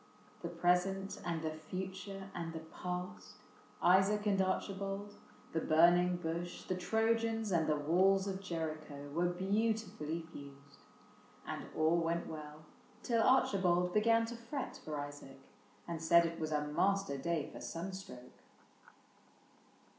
The present and the future and the past, Isaac and Archibald, the burning bush. The Trojans and the walls of Jericho, Were beautifully fused ; and all went well Till Archibald began to fret for Isaac And said it was a master day for sunstroke.